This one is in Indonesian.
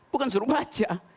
bukan suruh baca